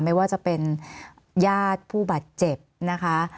ไม่ว่าจะเป็นญาติผู้บาดเจ็บนะคะ